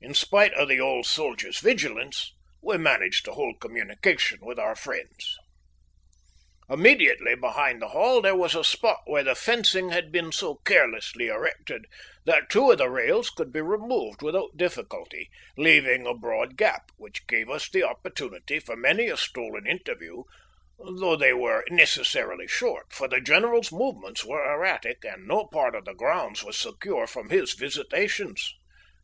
In spite of the old soldier's vigilance, we managed to hold communication with our friends. Immediately behind the Hall there was a spot where the fencing had been so carelessly erected that two of the rails could be removed without difficulty, leaving a broad gap, which gave us the opportunity for many a stolen interview, though they were necessarily short, for the general's movements were erratic, and no part of the grounds was secure from his visitations.